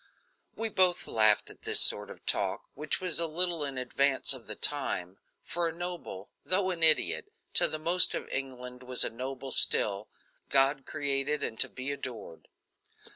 We both laughed at this sort of talk, which was a little in advance of the time, for a noble, though an idiot, to the most of England was a noble still, God created and to be adored.